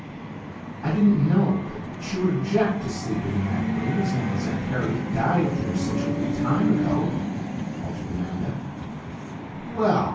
"I didn't know but she would object to sleeping in that room, as long as Aunt Harriet died there such a little time ago," faltered Amanda. "Well!"